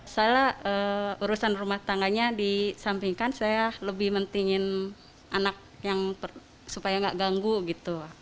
saya urusan rumah tangganya disampingkan saya lebih mentingin anak yang supaya nggak ganggu gitu